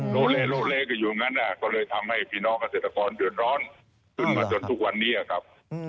โลเลโลเลกันอยู่อย่างนั้นก็เลยทำให้พี่น้องเกษตรกรเดือดร้อนขึ้นมาจนทุกวันนี้ครับ